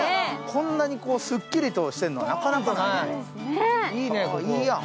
こんなにすっきりしてるのなかなかない。